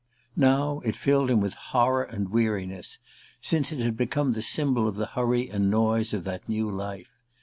Now it filled him with horror and weariness, since it had become the symbol of the hurry and noise of that new life.